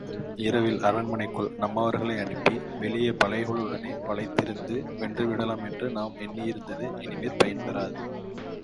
இரவில் அரண்மனைக்குள் நம்மவர்களை அனுப்பி வெளியே படைகளுடனே வளைத்திருந்து வென்றுவிடலாம் என்று நாம் எண்ணியிருந்தது இனிமேற் பயன் பெறாது!